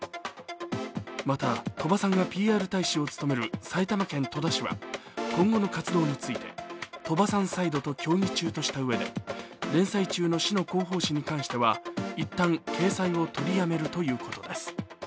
また鳥羽さんがＰＲ大使を務める埼玉県戸田市は今後の活動について、鳥羽さんサイドと協議中としたうえで連載中の市の広報誌に関しては一旦、掲載を取りやめるということです。